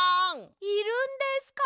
いるんですか？